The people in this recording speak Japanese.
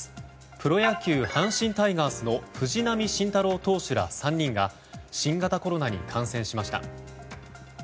プロ野球、阪神タイガースの藤浪晋太郎投手ら３人が新型コロナに感染しました。